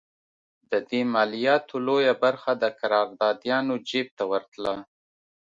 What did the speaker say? د دې مالیاتو لویه برخه د قراردادیانو جېب ته ورتله.